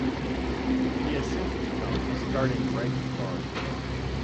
He has since become the starting right guard.